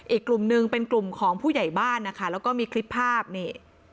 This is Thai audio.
อีกกลุ่มหนึ่งเป็นกลุ่มของผู้ใหญ่บ้านนะคะแล้วก็มีคลิปภาพนี่